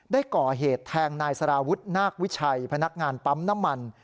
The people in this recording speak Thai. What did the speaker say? ได้ก่อเหตุแทงนายสารวุฒินาควิชัยพนักงานปั๊มน้ำมัน